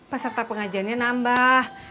peserta pengajiannya nambah